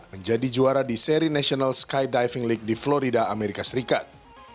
menjadi juara di seri national skydiving league di florida amerika serikat